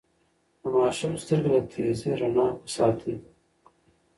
د ماشوم سترګې له تیزې رڼا وساتئ.